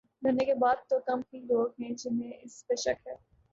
دھرنے کے بعد تو کم ہی لوگ ہیں جنہیں اس پر شک ہے۔